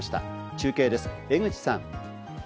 中継です、江口さん。